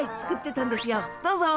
どうぞ。